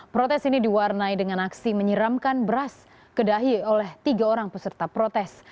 protes ini diwarnai dengan aksi menyiramkan beras kedahi oleh tiga orang peserta protes